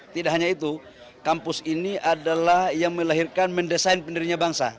tidak hanya itu kampus ini adalah yang melahirkan mendesain pendirinya bangsa